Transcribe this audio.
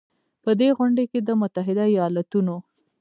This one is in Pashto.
په دې غونډې کې د متحدو ایالتونو